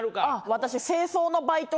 私。